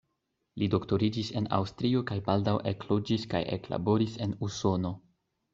Li doktoriĝis en Aŭstrio kaj baldaŭ ekloĝis kaj eklaboris en Usono.